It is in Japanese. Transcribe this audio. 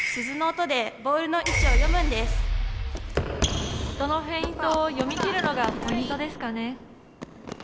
音のフェイントを読み切るのがポイントですかね。